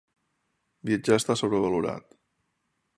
Viatjar està sobrevalorat.